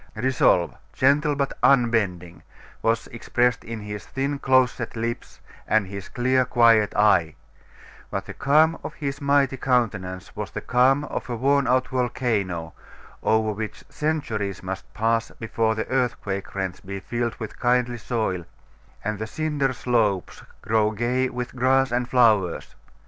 Resolve, gentle but unbending, was expressed in his thin close set lips and his clear quiet eye; but the calm of his mighty countenance was the calm of a worn out volcano, over which centuries must pass before the earthquake rents be filled with kindly soil, and the cinder slopes grow gay with grass and flowers.